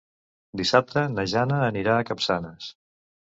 Dissabte na Jana anirà a Capçanes.